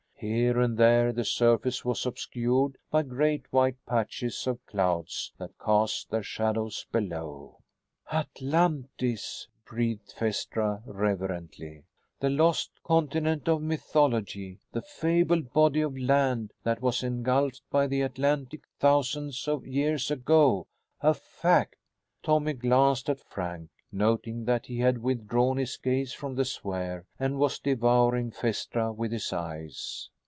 Here and there the surface was obscured by great white patches of clouds that cast their shadows below. "Atlantis!" breathed Phaestra reverently. The lost continent of mythology! The fabled body of land that was engulfed by the Atlantic thousands of years ago a fact! Tommy glanced at Frank, noting that he had withdrawn his gaze from the sphere and was devouring Phaestra with his eyes.